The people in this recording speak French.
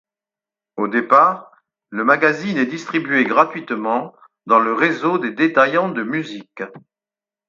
Au départ, le magazine est distribué gratuitement dans le réseau des détaillants de musique.